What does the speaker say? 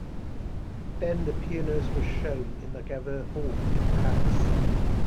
Then the pianos were shown in the Gaveau Hall in Paris.